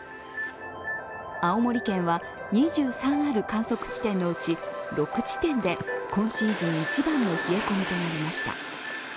青森県は２３ある観測地点のうち６地点で今シーズン一番の冷え込みとなりました。